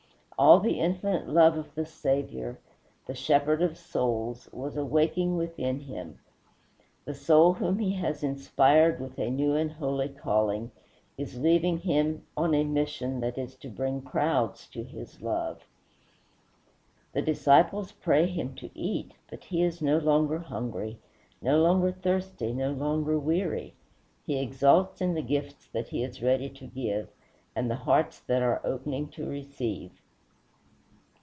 All the infinite love of the Saviour, the shepherd of souls, was awaking within him; the soul whom he has inspired with a new and holy calling is leaving him on a mission that is to bring crowds to his love. The disciples pray him to eat, but he is no longer hungry, no longer thirsty, no longer weary; he exults in the gifts that he is ready to give, and the hearts that are opening to receive.